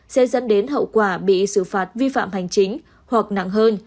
sẽ dẫn đến hậu quả bị xử phạt vi phạm hành chính hoặc nặng hơn